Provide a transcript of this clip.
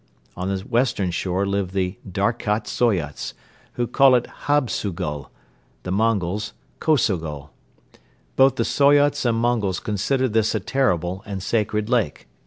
On the western shore live the Darkhat Soyots, who call it Hubsugul, the Mongols, Kosogol. Both the Soyots and Mongols consider this a terrible and sacred lake.